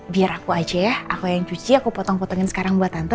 biar aku aja ya aku yang cuci aku potong potongin sekarang buat tante